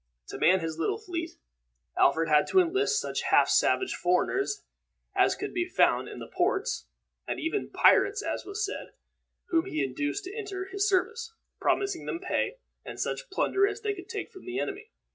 To man his little fleet, Alfred had to enlist such half savage foreigners as could be found in the ports, and even pirates, as was said, whom he induced to enter his service, promising them pay, and such plunder as they could take from the enemy.